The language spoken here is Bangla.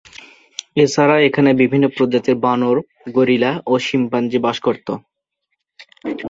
এছাড়া এখানে বিভিন্ন প্রজাতির বানর, গরিলা ও শিম্পাঞ্জি বাস করত।